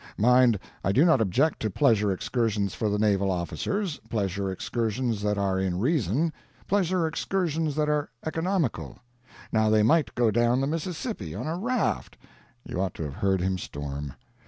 Mind, I do not object to pleasure excursions for the naval officers pleasure excursions that are in reason pleasure excursions that are economical. Now, they might go down the Mississippi on a raft " You ought to have heard him storm!